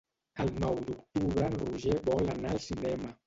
El nou d'octubre en Roger vol anar al cinema.